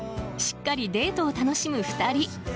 しっかりデートを楽しむ２人。